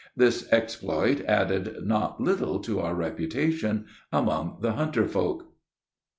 This exploit added not little to our reputation among the hunter folk.